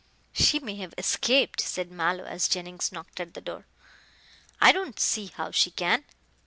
"She may have escaped," said Mallow, as Jennings knocked at the door. "I don't see how she can.